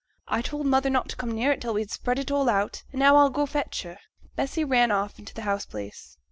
I told mother not to come near it till we'd spread it all out, and now I'll go fetch her.' Bessy ran off into the house place.